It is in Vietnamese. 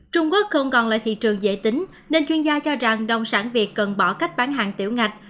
trung quốc không còn là thị trường dễ tính nên chuyên gia cho rằng nông sản việt cần bỏ cách bán hàng tiểu ngạch